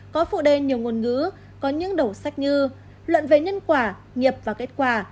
có phụ đề nhiều ngôn ngữ có những đầu sách như luận về nhân quả nghiệp và kết quả